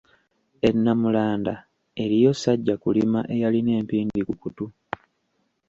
E Nnamulanda eriyo Ssajjakulima eyalina empindi ku kutu.